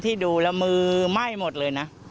ดูแล้วมือไหม้หมดเลยนะ